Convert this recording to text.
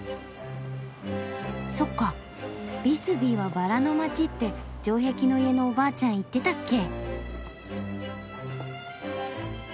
そっか「ビスビーはバラの街」って城壁の家のおばあちゃん言ってたっけ。